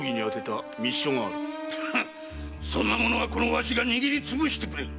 そんなものはこのわしが握りつぶしてくれる！